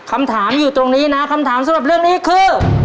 คำถามอยู่ตรงนี้นะคำถามสำหรับเรื่องนี้คือ